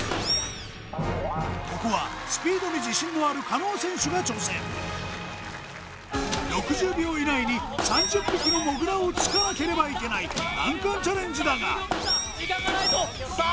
ここはスピードに自信のある加納選手が挑戦６０秒以内に３０匹のもぐらを突かなければいけない難関チャレンジだが時間がないぞさあ